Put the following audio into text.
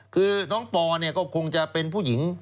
คือน้องปอเนี่ยก็คงจะเป็นผู้หญิง